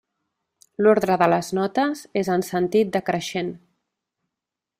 L'ordre de les notes és en sentit decreixent.